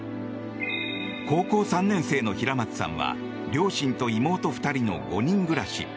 高校３年生の平松さんは両親と妹２人の５人暮らし。